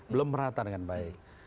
belum merata dengan baik